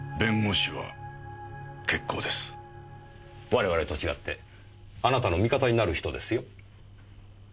我々と違ってあなたの味方になる人ですよ？